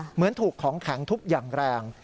เหมือนถูกของแข็งทุบอย่างแรง